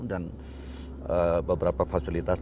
dan beberapa fasilitas